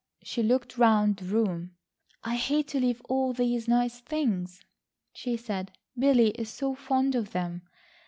She looked round the room. "I hate to leave all these nice things," she said. "Billy is so fond of them.